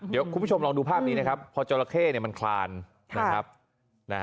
เดี๋ยวคุณผู้ชมลองดูภาพนี้นะครับพอจราเข้เนี่ยมันคลานนะครับ